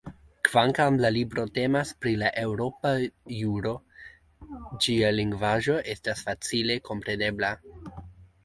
Kvankam la libro temas pri la eŭropa juro, ĝia lingvaĵo estas facile komprenebla.